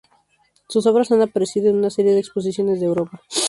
Sus obras han aparecido en una serie de exposiciones de Europa.